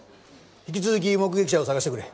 引き続き目撃者を探してくれ。